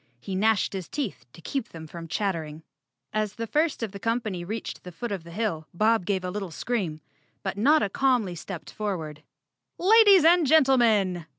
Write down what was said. He gnashed his teeth to keep them from chattering. As the first of the company reached the foot of the hill 131 The Cowardly Lion of Oz _ Bob gave a little scream, but Notta calmly; stepped forward. "Ladies and gentlemen!"